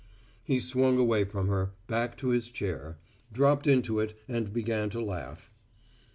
He swung away from her, back to his chair, dropped into it and began to laugh.